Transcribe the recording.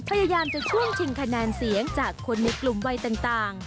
พยายามจะช่วงชิงคะแนนเสียงจากคนในกลุ่มวัยต่าง